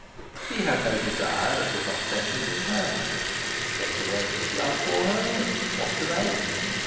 He had no desire that was not centred in her. Take away his love for her, and what remained?